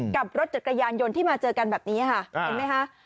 กับรถจักรยานยนต์ที่มาเจอกันแบบนี้ค่ะเห็นไหมคะ